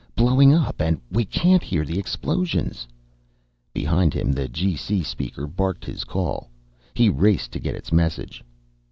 "Blowing up! And we can't hear the explosions!" Behind him the G.C. speaker barked his call. He raced to get its message.